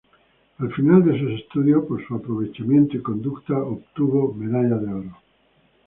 Al final de sus estudios, por su aprovechamiento y conducta, obtuvo medalla de oro.